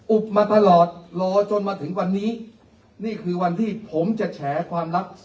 มาตลอดรอจนมาถึงวันนี้นี่คือวันที่ผมจะแฉความลับ